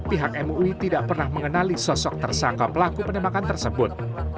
pihak mui tidak pernah mengenali sosok tersangka pelaku penembakan tersebut